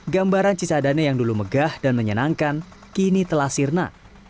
gambaran cisadane yang dulu megah dan menyenangkan kini telah sirna